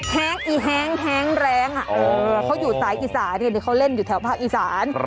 แฮงแฮงแร้งเขาอยู่ใส่อีสานเขาเล่นอยู่แถวภาคอีสาน